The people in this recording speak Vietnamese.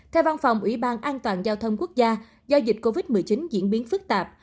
theo văn phòng ủy ban an toàn giao thông quốc gia do dịch covid một mươi chín diễn biến phức tạp